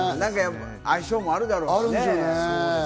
相性もあるだろうしね。